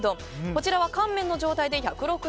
こちらは乾麺の状態で１６０ｇ。